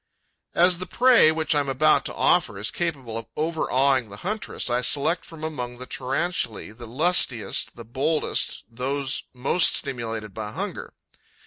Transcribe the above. As the prey which I am about to offer is capable of overawing the huntress, I select from among the Tarantulae the lustiest, the boldest, those most stimulated by hunger.